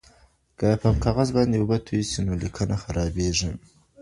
که په کاغذ باندې اوبه توي سي نو لیکنه خرابېږي.